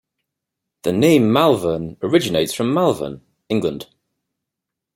The name Malverne originates from Malvern, England.